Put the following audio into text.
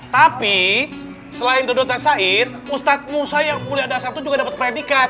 tapi selain dodot dan sait ustadz musa yang mulia dasar itu juga dapat predikat